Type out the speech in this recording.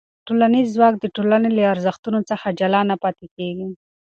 ټولنیز ځواک د ټولنې له ارزښتونو نه جلا نه پاتې کېږي.